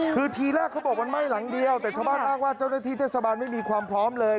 คือทีแรกเขาบอกมันไหม้หลังเดียวแต่ชาวบ้านอ้างว่าเจ้าหน้าที่เทศบาลไม่มีความพร้อมเลย